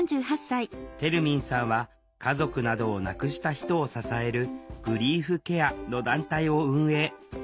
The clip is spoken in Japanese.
てるみんさんは家族などを亡くした人を支える「グリーフケア」の団体を運営。